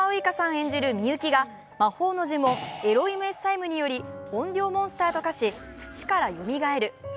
演じる美雪が魔法の呪文、エロイムエッサイムにより怨霊モンスターと化し土からよみがえる。